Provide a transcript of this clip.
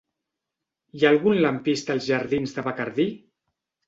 Hi ha algun lampista als jardins de Bacardí?